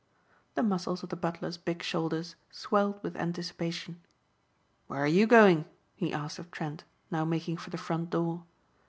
The muscles of the butler's big shoulders swelled with anticipation. "Where are you going?" he asked of Trent, now making for the front door.